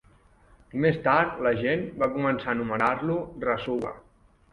I més tard la gent va començar a anomenar-lo Rasuwa.